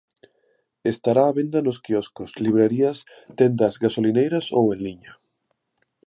Estará a venda nos quioscos, librarías, tendas, gasolineiras ou en liña.